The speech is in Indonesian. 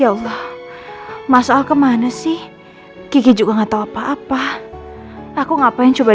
ya allah masalah kemana sih kiki juga nggak tahu apa apa aku ngapain coba